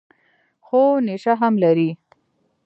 خو نېشه هم لري.